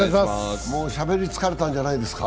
もうしゃべり疲れたんじゃないですか。